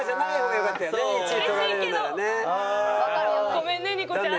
ごめんねにこちゃん。